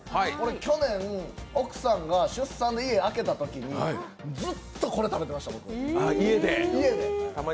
去年、奥さんが出産で家をあけたときに、ずっとこれ食べてました僕、家で。